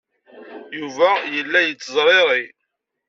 Yuba yella yettezriri.